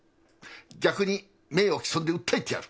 逆に名誉棄損で訴えてやる！